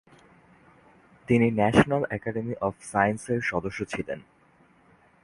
তিনি National Academy of সায়েন্সেসের সদস্য ছিলেন।